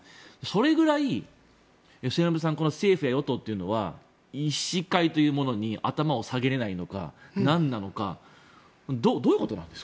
それぐらい政府や与党というのは医師会というものに頭を下げられないのかなんなのか。